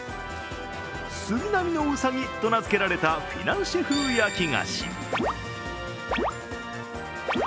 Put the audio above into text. スギナミノウサギと名付けられたフィナンシェ風焼き菓子。